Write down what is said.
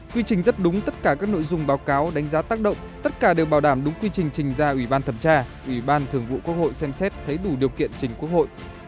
quy trình rất đúng tất cả các nội dung báo cáo đánh giá tác động tất cả đều bảo đảm đúng quy trình trình ra ủy ban thẩm tra ủy ban thường vụ quốc hội xem xét thấy đủ điều kiện trình quốc hội